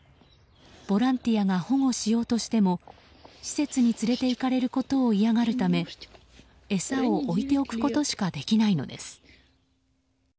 ボランティアが保護しようとしても施設に連れていかれることを嫌がるため餌を置いておくことしかできないのです。